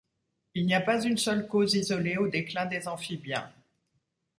Il n’y a pas une seule cause isolée au déclin des amphibiens.